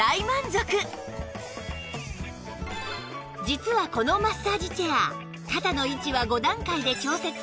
実はこのマッサージチェア肩の位置は５段階で調節可能